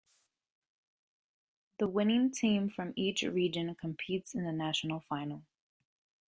The winning team from each region competes in the national final.